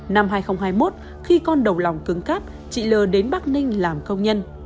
năm hai nghìn hai mươi một khi con đầu lòng cứng cắp chị l đến bắc ninh làm công nhân